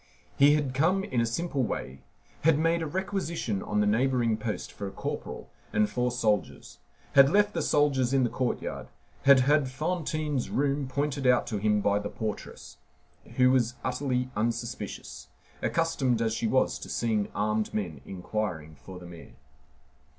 He had come in a simple way, had made a requisition on the neighboring post for a corporal and four soldiers, had left the soldiers in the courtyard, had had Fantine's room pointed out to him by the portress, who was utterly unsuspicious, accustomed as she was to seeing armed men inquiring for the mayor.